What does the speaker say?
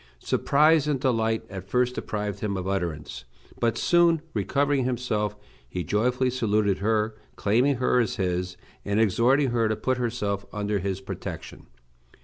Surprise and delight at first deprived him of utterance, but soon recovering himself, he joyfully saluted her, claiming her as his, and exhorting her to put herself under his protection.